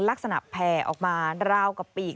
ลักษณะแผ่ออกมาราวกับปีก